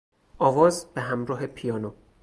آواز به همراه پیانو